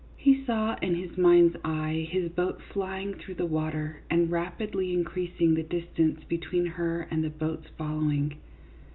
He saw, in his mind's eye, his boat flying through the water and rapidly increasing the dis tance between her and the boats following.